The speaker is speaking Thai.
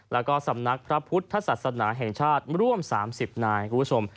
แล้วก็สำนักพระพุทธศาสนาแห่งชาติร่วม๓๐นายคุณผู้ชม